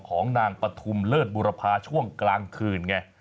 ของนางปฐุมเลิศบุรพาช่วงกลางคืนไง